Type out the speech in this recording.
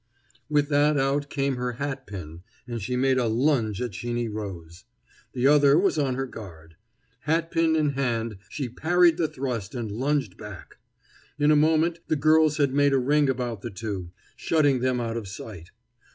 With that out came her hatpin, and she made a lunge at Sheeny Rose. The other was on her guard. Hatpin in hand, she parried the thrust and lunged back. In a moment the girls had made a ring about the two, shutting them out of sight.